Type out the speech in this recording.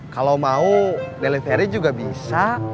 kalau mau delivery juga bisa